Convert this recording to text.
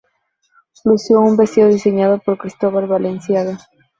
Lució un vestido diseñado por Cristóbal Balenciaga.